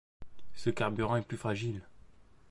Ce carburant est plus fragile.